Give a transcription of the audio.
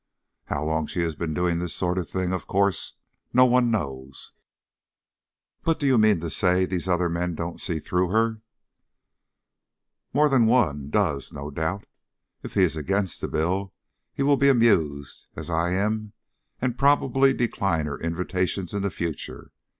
How long she has been doing this sort of thing, of course no one knows." "But do you mean to say these other men don't see through her?" "More than one does, no doubt. If he is against the bill he will be amused, as I am, and probably decline her invitations in the future.